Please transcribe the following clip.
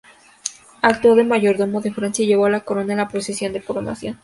Actuó de mayordomo de Francia y llevó la corona en la procesión de coronación.